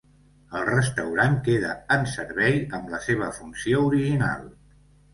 El restaurant queda en servei amb la seva funció original.